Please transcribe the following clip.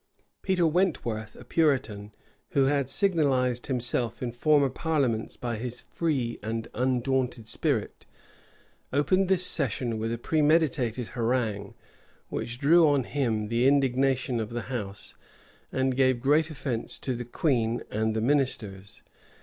Peter Wentworth, a Puritan, who had signalized himself in former parliaments by his free and undaunted spirit, opened this session with a premeditated harangue, which drew on him the indignation of the house, and gave great offence to the queen and the ministers.